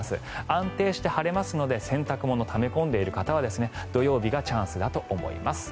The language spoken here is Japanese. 安定して晴れますので洗濯物をため込んでいる方は土曜日がチャンスだと思います。